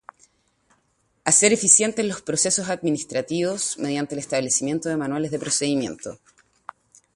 Hacer eficientes los procesos administrativos, mediante el establecimiento de manuales de procedimientos.